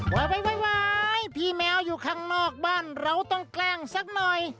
พี่แมวอยู่ข้างนอกบ้านเราต้องแกล้งสักหน่อย